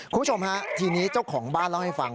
คุณผู้ชมฮะทีนี้เจ้าของบ้านเล่าให้ฟัง